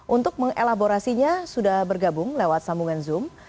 untuk mengelaborasinya sudah bergabung lewat sambungan zoom